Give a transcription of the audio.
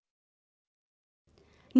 nâng cao chất lượng công dân